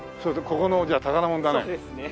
ここのじゃあ宝物だね。